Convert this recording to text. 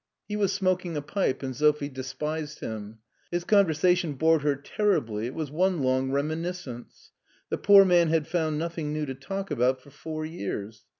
He was smoking a pipe and Sophie despised him. His conversation bored her terribly. It was one long reminiscence. The poor man had found nothing new to talk about for four years.